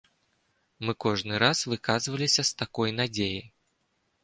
Мы кожны раз выказваліся з такой надзеяй.